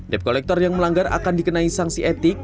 dep kolektor yang melanggar akan dikenai sanksi etik